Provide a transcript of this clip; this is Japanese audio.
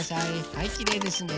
はいきれいですね。